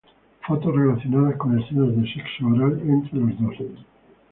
Fotos relacionadas con escenas de sexo oral entre los dos.